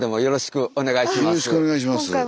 よろしくお願いします。